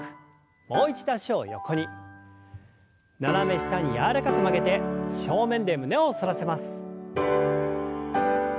斜め下に柔らかく曲げて正面で胸を反らせます。